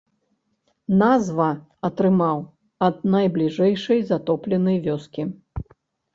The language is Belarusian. Назва атрымаў ад найбліжэйшай затопленай вёскі.